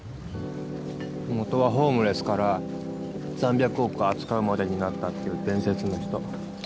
元はホームレスから３００億扱うまでになったっていう伝説の人。